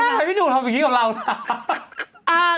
คุณแม่ทำไมพี่หนุ่มทำแบบนี้กับเรานะ